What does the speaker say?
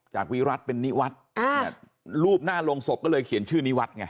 วิรัติเป็นนิวัฒน์รูปหน้าโรงศพก็เลยเขียนชื่อนิวัตรไง